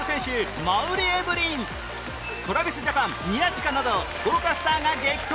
ＴｒａｖｉｓＪａｐａｎ 宮近など豪華スターが激闘！